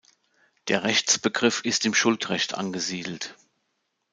Der Rechtsbegriff ist im Schuldrecht angesiedelt.